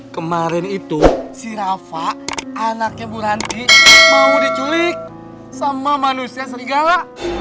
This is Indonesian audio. kemarin itu si rafa anaknya bu ranti mau diculik sama manusia serigala